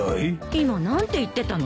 今何て言ってたの？